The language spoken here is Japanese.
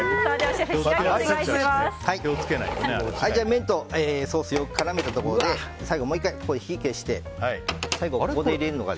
麺とソースをよく絡めたところで最後もう１回、火を消してここで入れるのが。